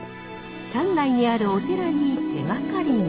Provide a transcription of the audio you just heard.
山内にあるお寺に手がかりが。